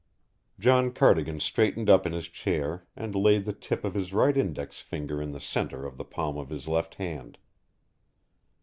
John Cardigan straightened up in his chair and laid the tip of his right index finger in the centre of the palm of his left hand.